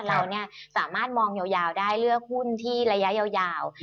เราสามารถมองยาวได้เลือกหุ้นที่ระยะยาว